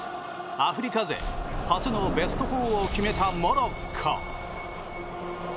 アフリカ勢初のベスト４を決めたモロッコ。